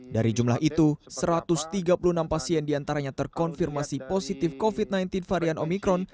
dari jumlah itu satu ratus tiga puluh enam pasien diantaranya terkonfirmasi positif covid sembilan belas varian omikron